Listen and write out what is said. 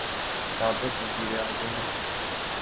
سابق وزیر اعظم ہیں۔